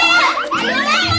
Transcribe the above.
di kiri di kiri